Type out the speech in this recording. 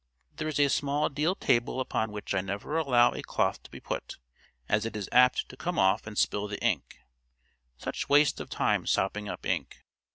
There is a small deal table upon which I never allow a cloth to be put, as it is apt to come off and spill the ink—such waste of time sopping up ink.